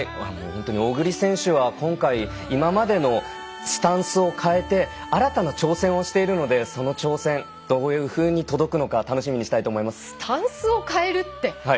本当に小栗選手は今回、今までのスタンスを変えて新たな挑戦をしているのでその挑戦どういうふうに届くのかスタンスを変えるって。